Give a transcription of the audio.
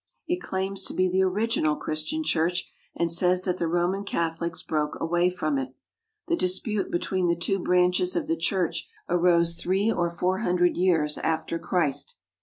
It claims to be the original Christian church and says that the Roman Catholics broke away from it. The dispute between the two branches of the Church arose three or four hundred years after Christ.